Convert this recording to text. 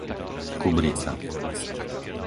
Kubrica